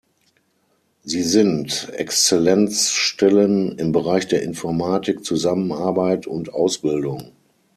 Sie sind Exzellenzstellen im Bereich der Informatik, Zusammenarbeit und Ausbildung.